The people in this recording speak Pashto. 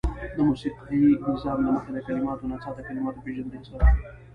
د موسيقايي نظام له مخې د کليماتو نڅاه د کليماتو د پيژندني سبب شوه.